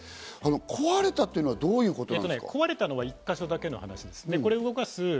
壊れたというのは、どういうことですか？